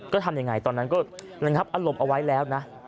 ก็ทำอย่างไรตอนนั้นอันลบเอาไว้แล้วนะ